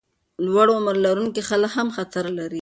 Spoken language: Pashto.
لوړ عمر لرونکي خلک هم خطر لري.